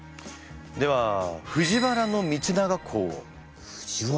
では藤原道長公。